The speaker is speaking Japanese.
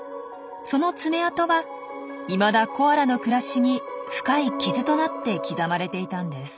その爪痕はいまだコアラの暮らしに深い傷となって刻まれていたんです。